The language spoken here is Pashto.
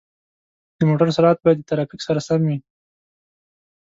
د موټر سرعت باید د ترافیک سره سم وي.